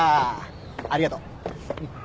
ありがと。